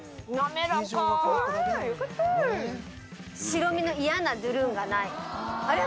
白身の嫌なドゥルンがない。